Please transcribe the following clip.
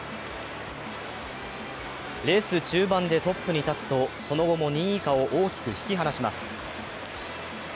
レース中盤でトップに立つと、その後も２位以下を大きく引き離します。